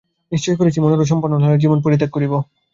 নিশ্চয় করিয়াছি মনোরথ সম্পন্ন না হইলে জীবন পরিত্যাগ করিব।